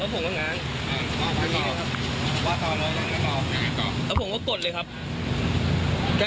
เราทะเลาะกันมานานหรือยังมานานแล้วครับไหนรอบครับ